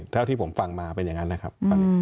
เท่าที่ผมฟังมาเป็นอย่างนั้นนะครับ